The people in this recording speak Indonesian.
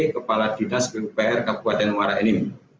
kepala dinas bpr kabupaten muara ini